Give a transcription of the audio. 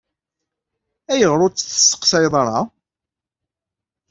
Ayɣer ur tt-testeqsayeḍ ara?